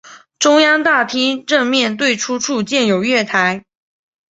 中央大厅正面对出处建有月台。